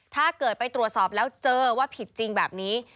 ถ้าเกิดไปตรวจสอบแล้วเจอว่าผิดจริงแบบนี้